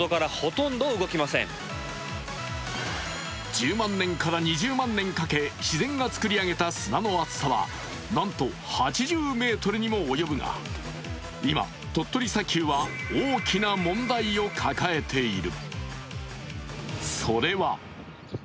１０万年から２０万年かけ自然が作り上げた砂の厚さはなんと８０ｍにも及ぶが今、鳥取砂丘は大きな問題を抱えている。